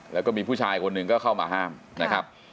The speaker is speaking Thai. แล้วก็มีผู้ชายคนหนึ่งก็เข้ามาห้ามนะครับ